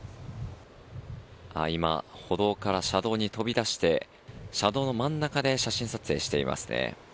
今、歩道から車道に飛び出して車道の真ん中で写真撮影していますね。